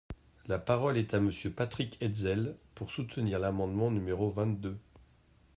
La parole est à Monsieur Patrick Hetzel, pour soutenir l’amendement numéro vingt-deux.